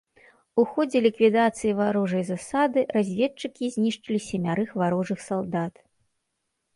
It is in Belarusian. У ходзе ліквідацыі варожай засады разведчыкі знішчылі семярых варожых салдат.